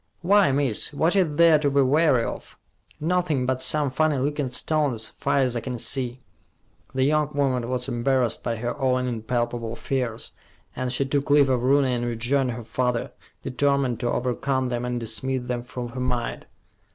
"Why, miss, what is there to be wary of? Nothin' but some funny lookin' stones, far as I can see." The young woman was embarrassed by her own impalpable fears, and she took leave of Rooney and rejoined her father, determined to overcome them and dismiss them from her mind.